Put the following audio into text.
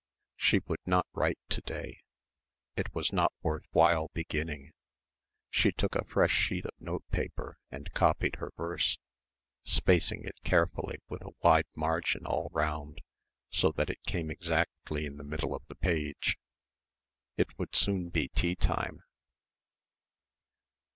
She would not write to day. It was not worth while beginning. She took a fresh sheet of note paper and copied her verse, spacing it carefully with a wide margin all round so that it came exactly in the middle of the page. It would soon be tea time.